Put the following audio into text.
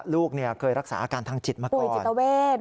ลูกเนี่ยเคยรักษาอาการทางจิตมาก่อน